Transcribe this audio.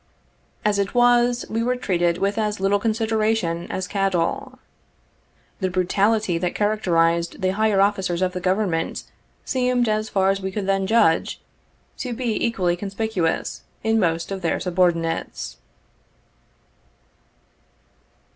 As it was, we were treated with as little consideration as cattle. The brutality that characterised the higher officers of the Government, seemed, as far as we could then judge, to be equally conspicuous in most of their subor dinates.